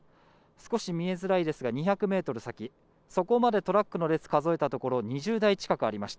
少し見えづらいですが、２００メートル先、そこまでトラックの列、数えたところ２０台近くありました。